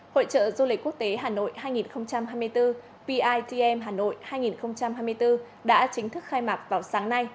hội trợ du lịch quốc tế hà nội hai nghìn hai mươi bốn pitm hà nội hai nghìn hai mươi bốn đã chính thức khai mạc vào sáng nay